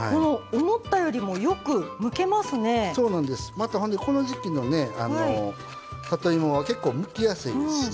またほんでこの時期のね里芋は結構むきやすいですしね。